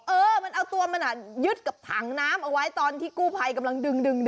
เออมันเอาตัวมันยึดกับถังน้ำเอาไว้ตอนที่กู้ภัยกำลังดึง